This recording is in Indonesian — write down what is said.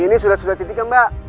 ini sudah sudah titik ya mbak